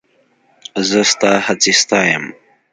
زه ستا هڅې ستایم.